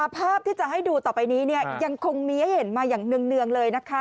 ภาพที่จะให้ดูต่อไปนี้ยังคงมีให้เห็นมาอย่างเนื่องเลยนะคะ